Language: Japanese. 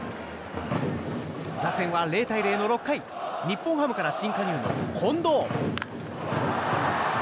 打線は０対０の６回日本ハムから新加入の近藤。